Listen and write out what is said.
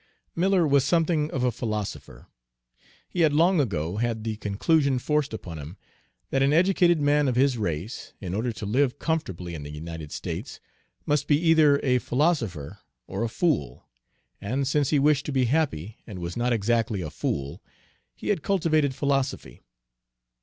Miller was something of a philosopher. He had long ago had the conclusion forced upon him that an educated man of his race, in order to live comfortably in the United States, must be either a philosopher or a fool; and since he wished to be happy, and was not exactly a fool, he had cultivated philosophy.